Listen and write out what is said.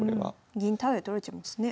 銀タダで取られちゃいますね。